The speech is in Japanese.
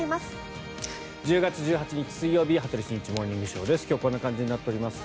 １０月１８日、水曜日「羽鳥慎一モーニングショー」。今日はこんな感じになっております。